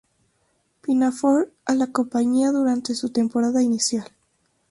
Pinafore" a la compañía durante su temporada inicial.